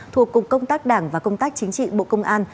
thuộc cục công tác đảng và công tác chính trị bộ công an